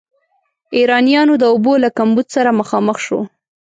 ایرانیانو د اوبو له کمبود سره مخامخ شو.